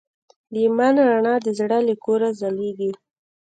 د ایمان رڼا د زړه له کوره ځلېږي.